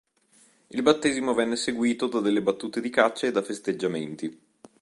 Il battesimo venne seguito da delle battute di caccia e da festeggiamenti.